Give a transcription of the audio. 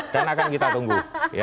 dan akan kita tunggu